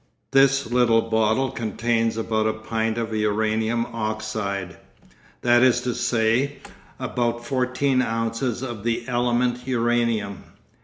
This little bottle contains about a pint of uranium oxide; that is to say, about fourteen ounces of the element uranium.